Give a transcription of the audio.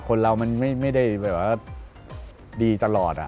คนเรามันไม่ได้ดีตลอด